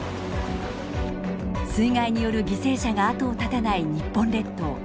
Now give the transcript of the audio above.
水害による犠牲者が後を絶たない日本列島。